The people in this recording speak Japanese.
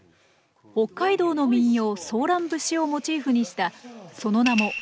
北海道の民謡「ソーラン節」をモチーフにしたその名も３４１２。